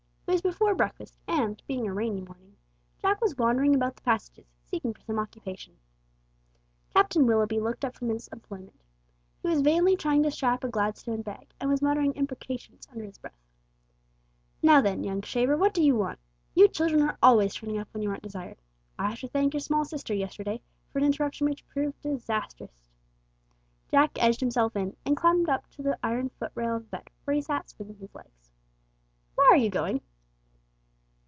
It was before breakfast, and being a rainy morning, Jack was wandering about the passages seeking for some occupation. Captain Willoughby looked up from his employment. He was vainly trying to strap a Gladstone bag, and was muttering imprecations under his breath. "Now then, young shaver, what do you want? You children are always turning up when you aren't desired. I have to thank your small sister yesterday for an interruption which proved disastrous!" Jack edged himself in, and climbed up to the iron foot rail of the bed, where he sat swinging his legs. "Why are you going?"